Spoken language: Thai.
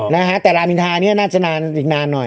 นะฮะแต่รามินทรายังนี่น่าจะนาน